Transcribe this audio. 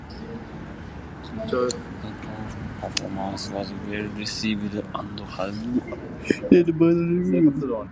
The performance was well received and highly appreciated by the viewers.